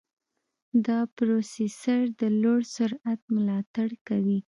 دا پروسېسر د لوړ سرعت ملاتړ کوي.